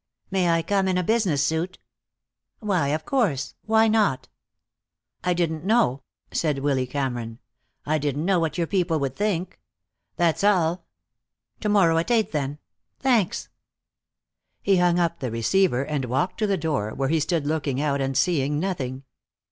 "May I come in a business suit?" "Why, of course. Why not?" "I didn't know," said Willy Cameron. "I didn't know what your people would think. That's all. To morrow at eight, then. Thanks." He hung up the receiver and walked to the door, where he stood looking out and seeing nothing.